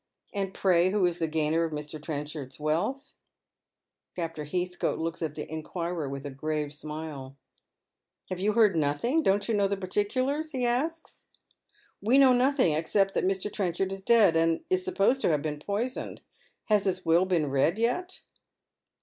And pray who is the gainer of Mi\ Trenchard'a wealth?" Captain Heathcote looks at the inquirer with a grave smile. *' Have you heard nothing ? Don't you know the particulars ?" he asks. " We know nothing except that ilr. Trenchard is dead, and is supposed to have been poisoned. Has his will been read yet?"